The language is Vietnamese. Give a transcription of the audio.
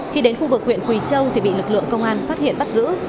khi đến khu vực huyện quỳ châu thì bị lực lượng công an phát hiện bắt giữ